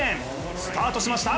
スタートしました。